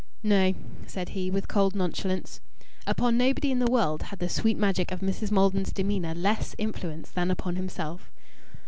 "No," said he, with cold nonchalance. Upon nobody in the world had the sweet magic of Mrs. Maldon's demeanour less influence than upon himself.